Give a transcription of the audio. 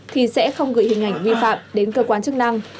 thì sẽ không gửi hình ảnh vi phạm đến cơ quan chức năng